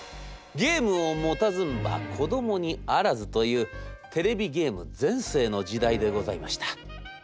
『ゲームを持たずんば子どもにあらず』というテレビゲーム全盛の時代でございました。